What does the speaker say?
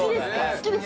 好きですか？